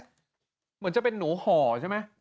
เหมือนจะเป็นหนูห่อใช่ไหม